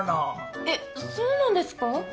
えっそうなんですか？